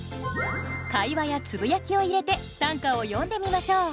会話やつぶやきを入れて短歌を詠んでみましょう。